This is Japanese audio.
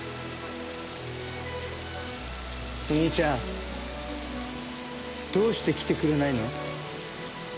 「お兄ちゃんどうして来てくれないの？」。